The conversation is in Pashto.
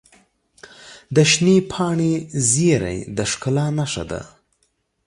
د شنې پاڼې زیرۍ د ښکلا نښه ده.